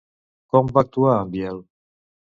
Com va actuar en Biel?